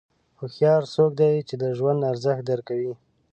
هوښیار څوک دی چې د ژوند ارزښت درک کوي.